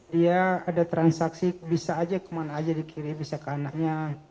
dia ada transaksi bisa saja kemana saja di kiri bisa ke anaknya